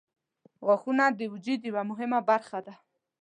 • غاښونه د وجود یوه مهمه برخه ده.